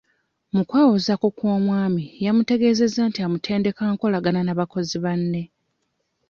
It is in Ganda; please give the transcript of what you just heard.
Mu kwewozaako kw'omwami yamutegeezezza nti amutendeka nkolagana na bakozi banne.